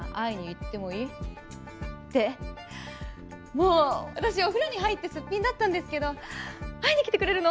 もう私お風呂に入ってすっぴんだったんですけど「会いに来てくれるの？